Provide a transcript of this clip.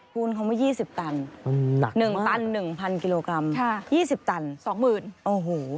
คูณเขามา๒๐ตัน๑ตัน๑๐๐๐กิโลกรัม๒๐ตัน๒หมื่นโอ้โห